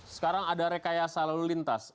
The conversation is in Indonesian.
sekarang ada rekayasa lalu lintas